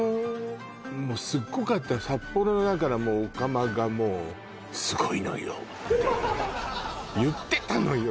もうすっごかった札幌のだからオカマがもう「すごいのよ」ってね言ってたのよ